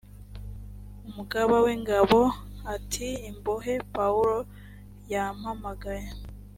umugaba w’ingabo ati imbohe pawulo yampamagaye